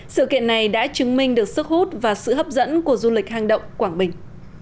sự kiện này đã chứng minh được sức hút và sự hấp dẫn của du lịch hang động quảng bình